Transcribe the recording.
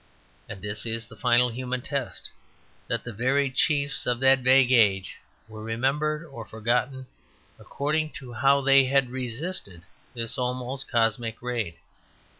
And this is the final human test; that the varied chiefs of that vague age were remembered or forgotten according to how they had resisted this almost cosmic raid.